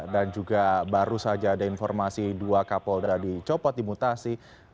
dan juga baru saja ada informasi dua kapol sudah dicopot dimutasi